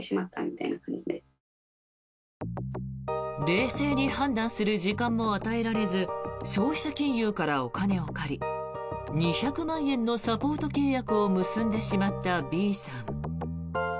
冷静に判断する時間も与えられず消費者金融からお金を借り２００万円のサポート契約を結んでしまったＢさん。